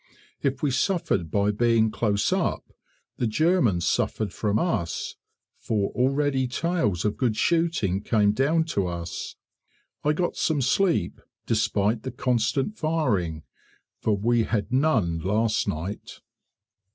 If we suffered by being close up, the Germans suffered from us, for already tales of good shooting came down to us. I got some sleep despite the constant firing, for we had none last night.